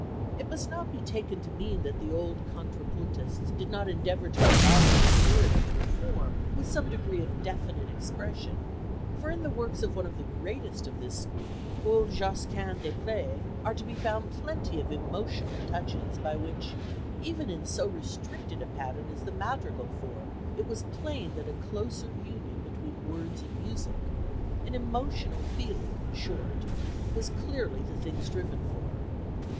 It must not be taken to mean that the old contrapuntists did not endeavour to combine the adherence to a form with some degree of definite expression; for in the works of one of the greatest of this school, old Josquin des Près, are to be found plenty of emotional touches by which, even in so restricted a pattern as the madrigal form, it was plain that a closer union between words and music an emotional feeling, in short was clearly the thing striven for.